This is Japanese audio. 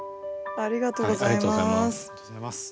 ありがとうございます。